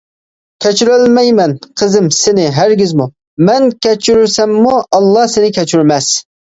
كەچۈرەلمەيمەن قىزىم سېنى ھەرگىزمۇ، مەن كەچۈرسەممۇ ئاللا سېنى كەچۈرمەس.